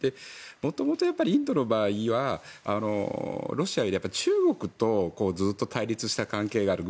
元々インドの場合はロシアより中国とずっと対立した関係がある。